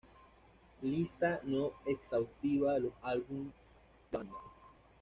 Lista no exhaustiva de los álbumes de la banda.